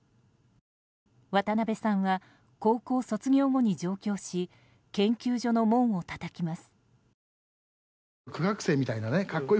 渡辺さんは高校卒業後に上京し研究所の門をたたきます。